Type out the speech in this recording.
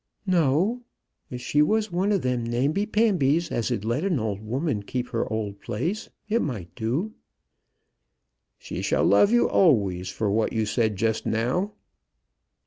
"No! if she was one of them namby pambys as'd let an old woman keep her old place, it might do." "She shall love you always for what you said just now."